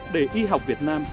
để y học việt nam